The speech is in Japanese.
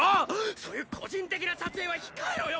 そういう個人的な撮影はひかえろよ！